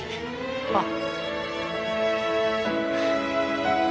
あっ。